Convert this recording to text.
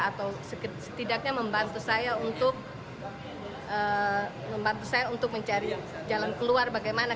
atau setidaknya membantu saya untuk mencari jalan keluar bagaimana